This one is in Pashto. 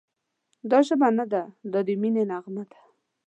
دا ژبه نه ده، دا د مینې نغمه ده»